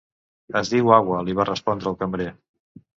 Es diu agua, li va respondre el cambrer.